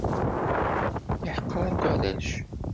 Yeḥqer akk arrac.